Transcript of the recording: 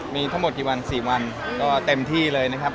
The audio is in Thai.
มีทั้งหมดกี่วัน๔วันก็เต็มที่เลยนะครับ